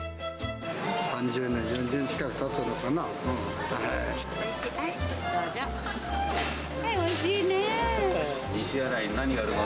３０年、４０年近くたつのかはい、どうぞ。